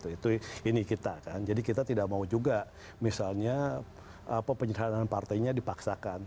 itu ini kita kan jadi kita tidak mau juga misalnya penyerahan partainya dipaksakan